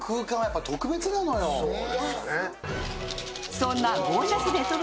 そんなゴージャスレトロ